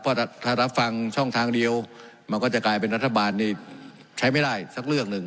เพราะถ้ารับฟังช่องทางเดียวมันก็จะกลายเป็นรัฐบาลนี่ใช้ไม่ได้สักเรื่องหนึ่ง